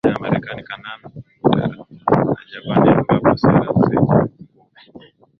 pamoja na Marekani Kanada na Japani ambapo sera zenye nguvu